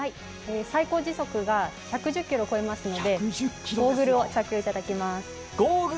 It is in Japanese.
最高時速が１１０キロ超えますのでゴーグルを着用いただきます。